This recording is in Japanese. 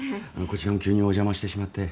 こちらも急にお邪魔してしまって。